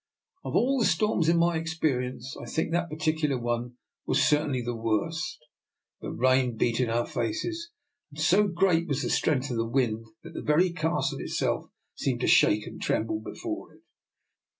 Of all the storms in my experience, I think that particular one was certainly the worst. The rain beat in our faces, and so great was the strength of the wind that the very castle itself seemed to shake and tremble before it.